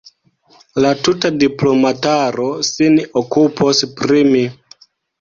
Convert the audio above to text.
La tuta diplomataro sin okupos pri mi.